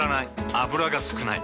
油が少ない。